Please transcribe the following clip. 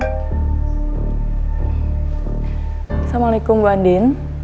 assalamualaikum bu andin